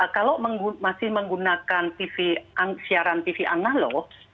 kalau masih menggunakan siaran tv analog